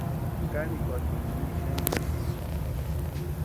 Kanikwakini ji xenchasïnka.